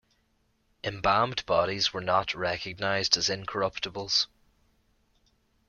Embalmed bodies were not recognized as incorruptibles.